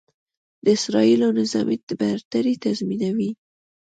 د اسرائیلو نظامي برتري تضیمنوي.